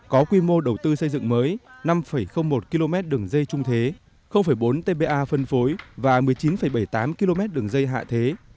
có quy mô đầu tư xây dựng mới năm một km đường dây trung thế bốn t ba phân phối và một mươi chín bảy mươi tám km đường dây hạ thế